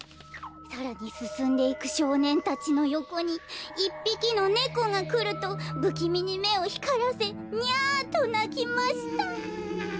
「さらに進んでいく少年たちのよこにいっぴきのねこが来ると不気味にめをひからせ『ニャ』となきました」。